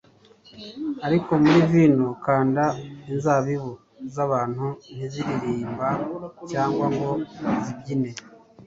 Ariko muri vino-kanda inzabibu zabantu ntiziririmba cyangwa ngo zibyine